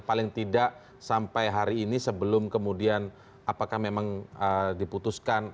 paling tidak sampai hari ini sebelum kemudian apakah memang diputuskan